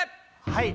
はい。